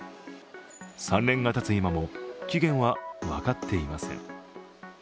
３年がたつ今も、起源は分かっていません。